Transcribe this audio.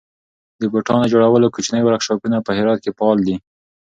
د بوټانو جوړولو کوچني ورکشاپونه په هرات کې فعال دي.